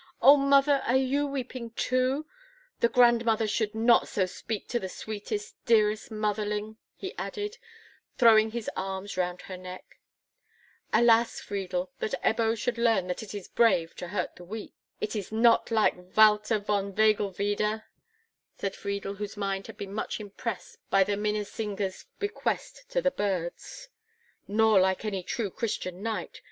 Oh, mother, are you weeping too? The grandmother should not so speak to the sweetest, dearest motherling," he added, throwing his arms round her neck. "Alas, Friedel, that Ebbo should learn that it is brave to hurt the weak!" "It is not like Walther of Vögelwiede," said Friedel, whose mind had been much impressed by the Minnesinger's bequest to the birds. "Nor like any true Christian knight.